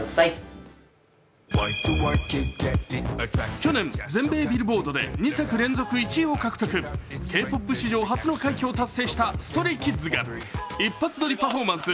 去年、全米ビルボードで２作連続１位を獲得、Ｋ−ＰＯＰ史上初の快挙を達成したＳｔｒａｙＫｉｄｓが一発撮りパフォーマンス